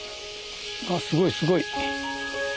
あすごいすごい。